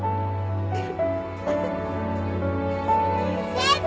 先生！